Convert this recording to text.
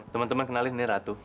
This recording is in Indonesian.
temen temen kenalin ini ratu